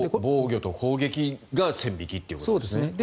防御と攻撃が線引きってことですね。